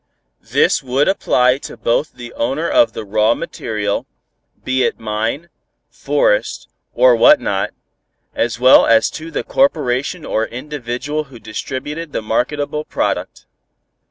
This would apply to both the owner of the raw material, be it mine, forest, or what not, as well as to the corporation or individual who distributed the marketable product.